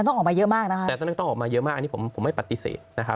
ออกมาเยอะมากอันนี้ผมไม่ปฏิเสธ